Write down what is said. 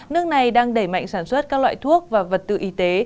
nước này đang đẩy mạnh sản xuất các loại thuốc và vật tư y tế